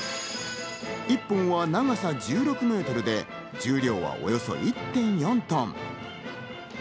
１本は長さ１６メートルで、重量はおよそ１．４トン。